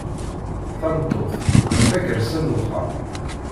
Tameṭṭut d tagersa n uxxam.